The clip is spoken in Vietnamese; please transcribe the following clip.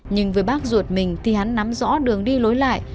nhưng với bác ruột mình thì hắn nắm rõ đường đi lối lại